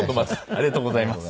ありがとうございます。